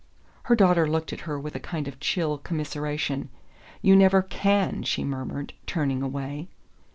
Her daughter looked at her with a kind of chill commiseration. "You never CAN," she murmured, turning away.